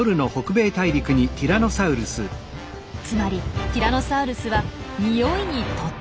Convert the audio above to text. つまりティラノサウルスは匂いにとっても敏感。